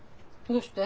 どうして？